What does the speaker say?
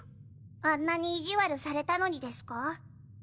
あんなに意地悪されたのにですか？